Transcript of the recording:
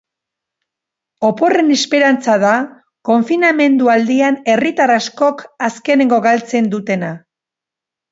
Oporren esperantza da konfinamendu aldian herritar askok azkenengo galtzen dutena.